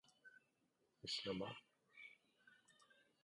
The neighbouring Juriques dates to the Pleistocene.